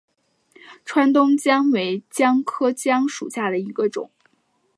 川东姜为姜科姜属下的一个种。